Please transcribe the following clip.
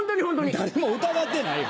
誰も疑ってない！